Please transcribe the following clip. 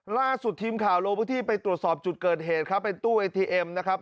ล่าสุดทีมข่าวลงพื้นที่ไปตรวจสอบจุดเกิดเหตุครับเป็นตู้เอทีเอ็มนะครับ